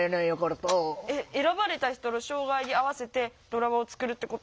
選ばれた人の障害に合わせてドラマを作るってこと？